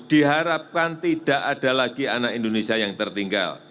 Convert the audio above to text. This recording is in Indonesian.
diharapkan tidak ada lagi anak indonesia yang tertinggal